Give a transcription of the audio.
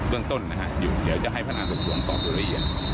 เรื่องต้นนะครับอยู่เดี๋ยวจะให้พันธุ์อันส่วน๒ตัวละเย็น